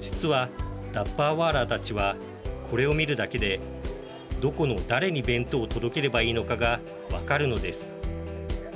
実は、ダッバーワーラーたちはこれを見るだけでどこの誰に弁当を届ければいいのかがわかるのです。